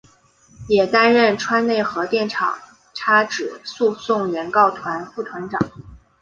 也担任川内核电厂差止诉讼原告团副团长。